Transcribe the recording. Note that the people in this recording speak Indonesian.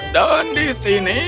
dan di sini